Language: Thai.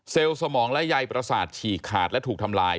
สมองและใยประสาทฉีกขาดและถูกทำลาย